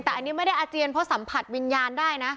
แต่อันนี้ไม่ได้อาเจียนเพราะสัมผัสวิญญาณได้นะ